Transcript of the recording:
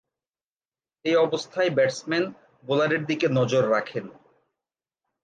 এ অবস্থায় ব্যাটসম্যান বোলারের দিকে নজর রাখেন।